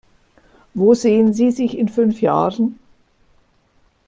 Wo sehen Sie sich in fünf Jahren?